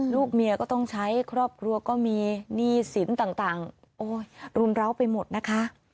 ลูกเมียก็ต้องใช้ครอบครัวก็มีหนี้สินต่างโอ้ยรุมร้าวไปหมดนะคะ